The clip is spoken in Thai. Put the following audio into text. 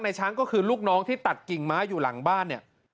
ช้างก็คือลูกน้องที่ตัดกิ่งไม้อยู่หลังบ้านเนี่ย